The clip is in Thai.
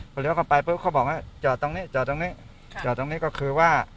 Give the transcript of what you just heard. พอเลี้ยเข้าไปปุ๊บเขาบอกว่าจอดตรงนี้จอดตรงนี้จอดตรงนี้ก็คือว่า